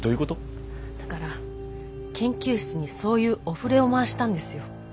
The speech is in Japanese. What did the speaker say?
だから研究室にそういうお触れを回したんですよ。